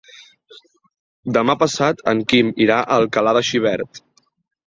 Demà passat en Quim irà a Alcalà de Xivert.